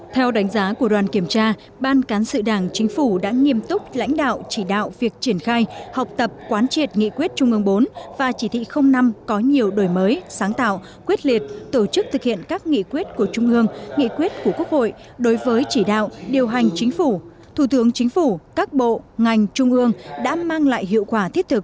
theo đánh giá của đoàn kiểm tra ban cán sự đảng chính phủ đã nghiêm túc lãnh đạo chỉ đạo việc triển khai học tập quán triệt nghị quyết trung mương bốn và chỉ thị năm có nhiều đổi mới sáng tạo quyết liệt tổ chức thực hiện các nghị quyết của trung mương nghị quyết của quốc hội đối với chỉ đạo điều hành chính phủ